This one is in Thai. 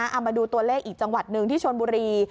เอามาดูตัวเลขอีกจังหวัดหนึ่งที่ชนบุรี